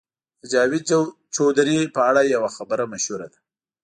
د جاوید چودهري په اړه یوه خبره مشهوره ده.